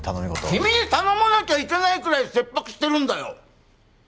君に頼まなきゃいけないくらい切迫してるんだよ！